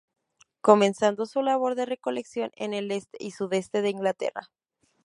Comenzando su labor de recolección en el este y sudeste de Inglaterra.